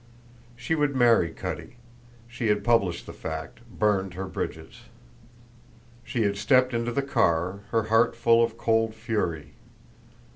She would marry Cutty; she had published the fact, burned her bridges. She had stepped into the car, her heart full of cold fury.